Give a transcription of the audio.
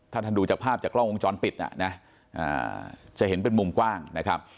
ถ้าท่านดูจากภาพจากกล้องวงจรปิดจะเห็นเป็นมุมกว้างนะครับ